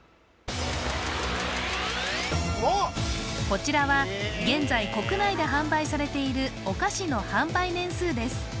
こちらは現在国内で販売されているお菓子の販売年数です